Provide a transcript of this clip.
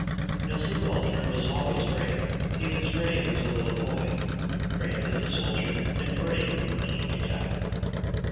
Now, Sir Walter was always brave. He was brave as a little boy, brave as a soldier, and brave when he came to die.